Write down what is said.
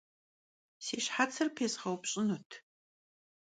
Si şhetsır pêzğeupş'ınut.